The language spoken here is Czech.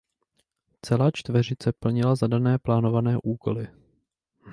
Celá čtveřice plnila zadané plánované úkoly.